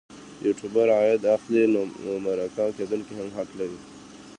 یوټوبر عاید اخلي نو مرکه کېدونکی هم حق لري.